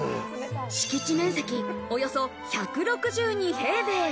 敷地面積およそ１６２平米。